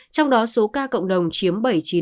trong đó số ca cộng đồng chiếm bảy mươi chín